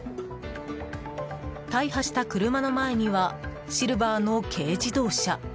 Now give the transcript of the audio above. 大破した車の前にはシルバーの軽自動車。